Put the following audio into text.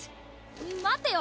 待ってよ！